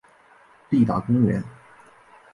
立达公园。